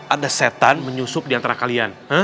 ada setan menyusup di antara kalian